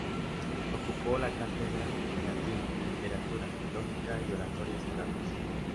Ocupó la cátedra de Latín, Literatura, Lógica, y Oratoria Sagrada.